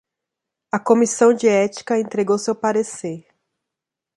A comissão de ética entregou seu parecer